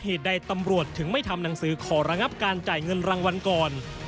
เหตุใดตำรวจถึงไม่ทำหนังสือขอระงับการจ่ายเงินรางวัลก่อน